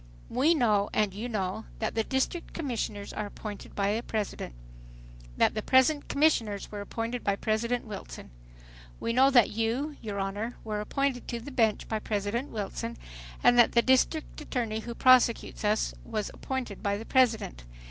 "We know and you know, that the District Commissioners are appointed by the President, that the present commissioners were appointed by President Wilson. We know that you, your Honor, were appointed to the bench by President Wilson, and that the district attorney who prosecutes us was appointed by the President.